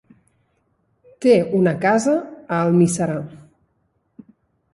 Té una casa a Almiserà.